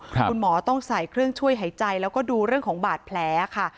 คุณหมอต้องใส่เครื่องช่วยหายใจแล้วก็ดูเรื่องของบาดแผลค่ะ